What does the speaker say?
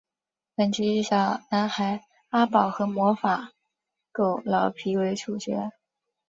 本集以小男孩阿宝和魔法狗老皮为主角。